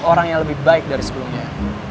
orang yang lebih baik dari sebelumnya